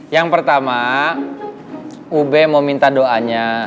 yang pertama ube mau minta doanya